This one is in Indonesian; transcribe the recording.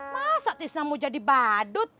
masa islam mau jadi badut